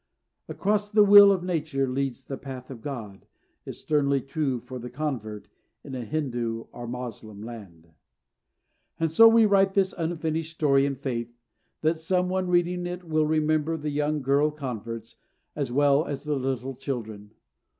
"Across the will of Nature leads on the path of God," is sternly true for the convert in a Hindu or Moslem land. And so we write this unfinished story in faith that some one reading it will remember the young girl converts as well as the little children.